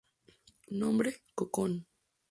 Nombre: "Cocoon".